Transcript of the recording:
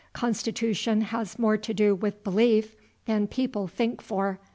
Constitution has more to do with belief than people think for.